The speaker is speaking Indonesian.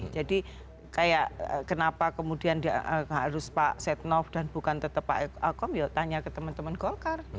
jadi kayak kenapa kemudian harus pak setnoff dan bukan tetap pak adi komarudin ya tanya ke teman teman golkar